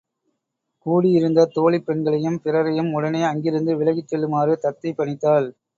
கூடியிருந்த தோழிப் பெண்களையும் பிறரையும் உடனே அங்கிருந்து விலகிச் செல்லுமாறு தத்தை பணித்தாள்.